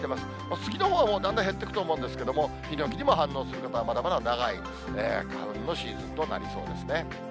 スギのほうはだんだん減っていくと思うんですが、ヒノキにも反応する方は、まだまだ長い花粉のシーズンとなりそうですね。